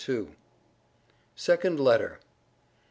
HILL. SECOND LETTER.